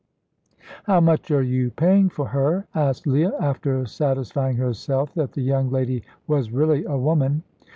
"How much are you paying for her?" asked Leah, after satisfying herself that the young lady was really a woman.